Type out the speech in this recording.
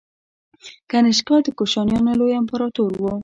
کنیشکا د کوشانیانو لوی امپراتور و